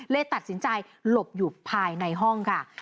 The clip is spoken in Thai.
เลยตัดสินใจหลบอยู่ภายในห้องค่ะ